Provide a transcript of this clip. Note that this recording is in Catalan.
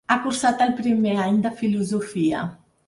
Ha cursat el primer any de filosofia.